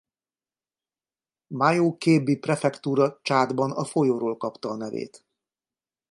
Mayo-Kébbi Prefektúra Csádban a folyóról kapta a nevét.